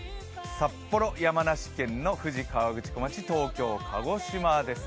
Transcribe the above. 札幌、山梨県の富士河口湖町、東京、鹿児島です。